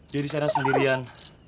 diri saya sendirian